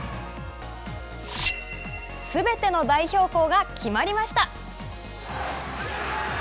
すべての代表校が決まりました。